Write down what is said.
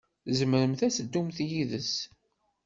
Tzemremt ad teddumt yid-s.